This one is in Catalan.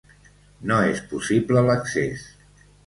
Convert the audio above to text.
No és possible l'accés.